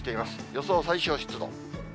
予想最小湿度。